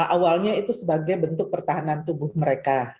awalnya itu sebagai bentuk pertahanan tubuh mereka